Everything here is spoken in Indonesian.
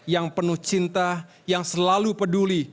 yang penuh cinta yang selalu peduli